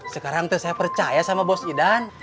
sekarang tuh saya percaya sama bos idan